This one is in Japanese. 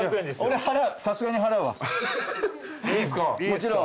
もちろん。